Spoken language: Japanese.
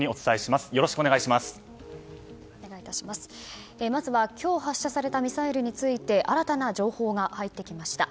まずは今日発射されたミサイルについて新たな情報が入ってきました。